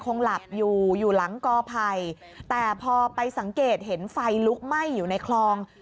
คงหลับอยู่อยู่หลังกอไผ่แต่พอไปสังเกตเห็นไฟลุกไหม้อยู่ในคลอง